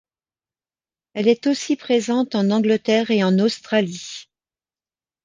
Elle est aussi présente en Angleterre et en Australie.